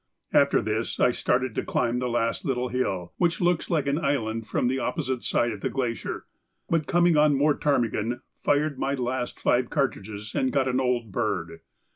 After this I started to climb the last little hill, which looks like an island from the opposite side of the glacier, but coming on more ptarmigan, fired my last five cartridges and got an old bird.